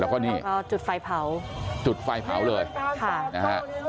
แล้วก็นี่ก็จุดไฟเผาจุดไฟเผาเลยค่ะนะฮะ